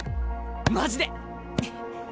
マジで。